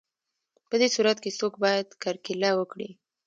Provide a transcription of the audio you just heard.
په دې صورت کې څوک باید کرکیله وکړي